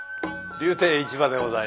柳亭市馬でございます。